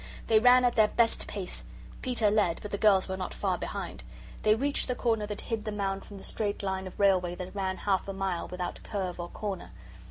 They ran at their best pace. Peter led, but the girls were not far behind. They reached the corner that hid the mound from the straight line of railway that ran half a mile without curve or corner.